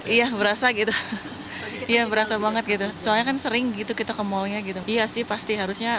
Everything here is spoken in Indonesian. iya berasa gitu iya berasa banget gitu soalnya kan sering gitu kita ke mallnya gitu iya sih pasti harusnya